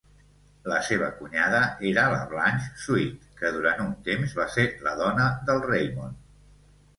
La seva cunyada era la Blanche Sweet, que durant un temps va ser la dona del Raymond.